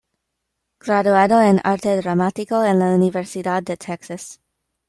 Graduado en arte dramático en la Universidad de Texas.